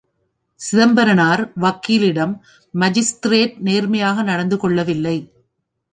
சிதம்பரனார் வக்கீலிடம் மாஜிஸ்திரேட் நேர்மையாக நடந்து கொள்ளவில்லை.